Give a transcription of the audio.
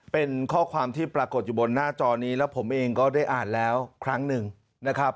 เป็นข้อความที่ปรากฏอยู่บนหน้าจอนี้แล้วผมเองก็ได้อ่านแล้วครั้งหนึ่งนะครับ